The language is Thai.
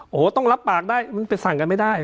โอ้โหต้องรับปากได้มันไปสั่งกันไม่ได้